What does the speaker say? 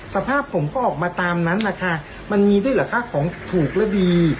สภาพผมก็ออกมาตามนั้นแหละค่ะมันมีด้วยเหรอคะของถูกและดี